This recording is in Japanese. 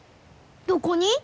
どこに？